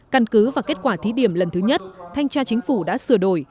căn cứ và kết quả thí điểm lần thứ nhất thanh tra chính phủ đã sửa đổi